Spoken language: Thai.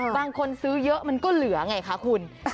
ซื้อเยอะมันก็เหลือไงคะคุณ